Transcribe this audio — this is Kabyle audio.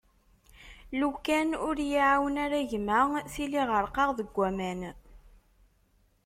Lukan ur y-iεawen ara gma tili ɣerqeɣ deg aman.